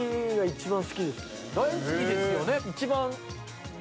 大好きですよね。